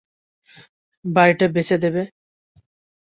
বাড়িটা বেচে দেবে?